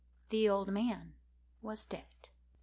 The old man was dead.